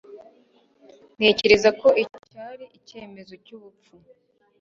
Ntekereza ko icyo cyari icyemezo cyubupfu